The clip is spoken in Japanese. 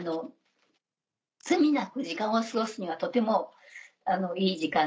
つつみなく時間を過ごすにはとてもいい時間で。